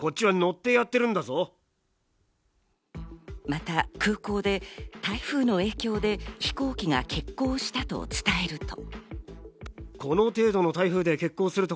また空港で台風の影響で飛行機が欠航したと伝えると。